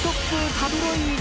タブロイド。